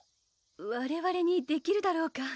われわれにできるだろうか？